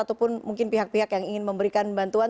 ataupun mungkin pihak pihak yang ingin memberikan bantuan